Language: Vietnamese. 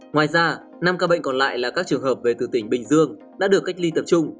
ngoài ra năm ca bệnh còn lại là các trường hợp về từ tỉnh bình dương đã được cách ly tập trung